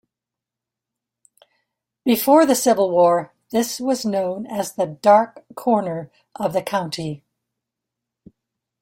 Before the Civil War, this was known as the dark corner of the county.